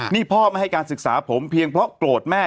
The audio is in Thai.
นี่พ่อไม่ให้การศึกษาผมเพียงเพราะโกรธแม่